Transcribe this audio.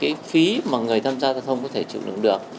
kể cả về cái phí mà người tham gia giao thông có thể chịu đựng được